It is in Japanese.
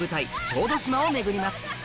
小豆島を巡ります